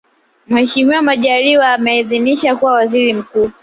Mheshimiwa Majaliwa ameidhiniswa kuwa Waziri Mkuu